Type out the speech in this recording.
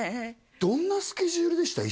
どんなスケジュールでした？